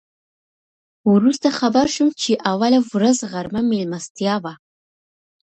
وروسته خبر شوم چې اوله ورځ غرمه میلمستیا وه.